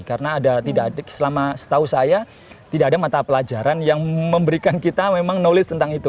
karena ada tidak ada selama setahu saya tidak ada mata pelajaran yang memberikan kita memang knowledge tentang itu